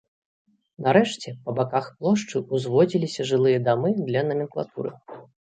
Нарэшце, па баках плошчы ўзводзіліся жылыя дамы для наменклатуры.